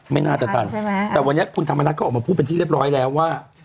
ไม่น่าจะทันใช่ไหมแต่วันนี้คุณธรรมนัฐก็ออกมาพูดเป็นที่เรียบร้อยแล้วว่า